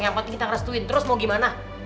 yang penting kita ngerestuin terus mau gimana